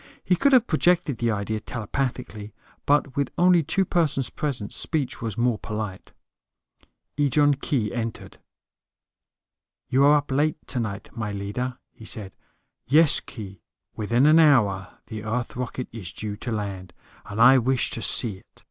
He could have projected the idea telepathically; but with only two persons present, speech was more polite. Ejon Khee entered. "You are up late tonight, my leader," he said. "Yes, Khee. Within an hour the Earth rocket is due to land, and I wish to see it.